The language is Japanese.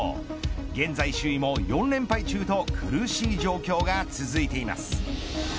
現在首位も４連敗中と苦しい状況が続いてます。